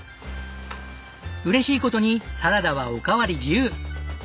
嬉しい事にサラダはおかわり自由。